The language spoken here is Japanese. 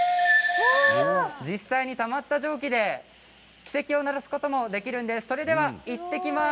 実際たまった蒸気で汽笛を鳴らすこともできるんです。